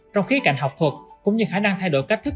trong khía cạnh học thuật cũng như khả năng thay đổi cách thức